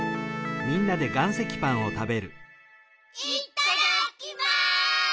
いっただきます！